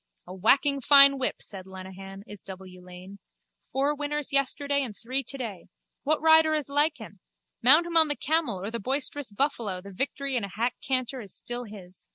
A whacking fine whip, said Lenehan, is W. Lane. Four winners yesterday and three today. What rider is like him? Mount him on the camel or the boisterous buffalo the victory in a hack canter is still his.